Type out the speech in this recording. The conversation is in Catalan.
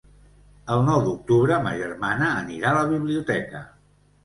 El nou d'octubre ma germana anirà a la biblioteca.